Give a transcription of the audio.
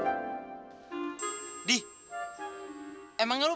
kalau dia ke kaz cooked gagal kulis